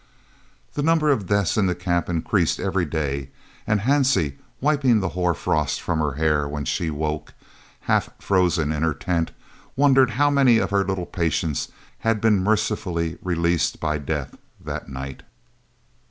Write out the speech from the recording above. The number of deaths in the Camps increased every day, and Hansie, wiping the hoar frost from her hair when she woke, half frozen, in her tent, wondered how many of her little patients had been mercifully released by death that night.